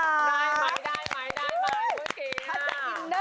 ได้เกิดกินอ่ะ